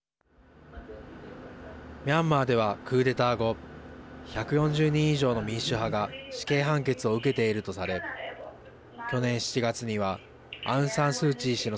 ミャンマーではクーデター後１４０人以上の民主派が死刑判決を受けているとされ去年７月にはアウン・サン・スー・チー氏の